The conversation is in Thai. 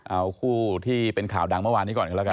เอาคู่ที่เป็นข่าวดังเมื่อวานนี้ก่อนกันแล้วกัน